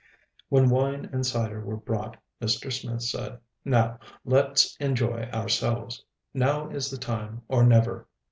When wine and cyder were brought, Mr. Smith said, "Now let's enjoy ourselves; now is the time, or never.